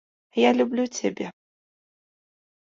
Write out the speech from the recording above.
А я люблю цябе!